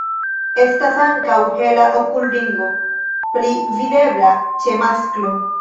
Estas ankaŭ hela okulringo, pli videbla ĉe masklo.